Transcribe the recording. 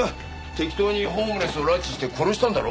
適当にホームレスを拉致して殺したんだろ？